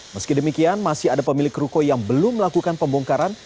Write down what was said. meski demikian masih ada pemilik ruko yang belum melakukan pembongkaran